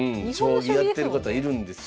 将棋やってる方いるんですよね。